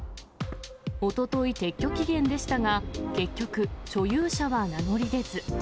おととい、撤去期限でしたが、結局、所有者は名乗り出ず。